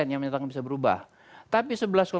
yang bisa berubah tapi